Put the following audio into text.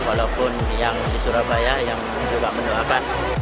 walaupun yang di surabaya yang juga mendoakan